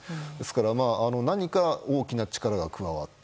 ですから何か大きな力が加わった。